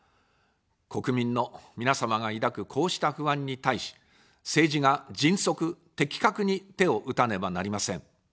国民の皆様が抱くこうした不安に対し、政治が迅速、的確に手を打たねばなりません。